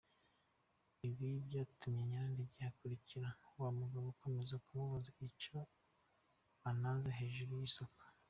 Ibi byatumye Nyirandegeya akurikira wa mugabo akomeza kumubaza icyo anaze hejuru y’isoko.